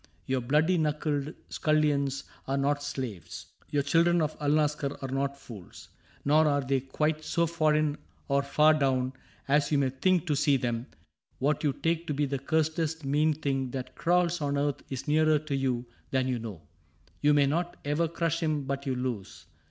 Your bloody knuckled scullions are not slaves. Your children of Alnaschar are not fools. " Nor are they quite so foreign or far down As you may think to see them. What you take To be the cursedest mean thing that crawls On earth is nearer to you than you know : You may not ever crush him but you lose.